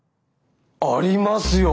ありますよ。